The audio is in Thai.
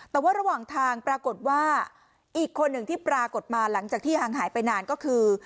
แต่ว่าระหว่างทางปรากฏว่าอีกคนหนึ่งที่ปรากฏมาหลังจากที่ห่างหายไปนานก็คือ